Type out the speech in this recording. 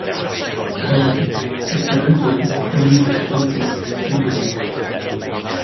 Herrmann set several poems from these anthologies to music.